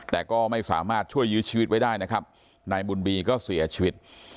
แต่ก็ไม่สามารถช่วยยื้อชีวิตไว้ได้นะครับนายบุญบีก็เสียชีวิต